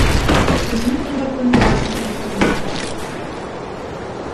Көзүнүн көгөргөнү ансыз деле көрүнүп турган.